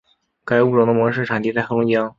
该物种的模式产地在黑龙江。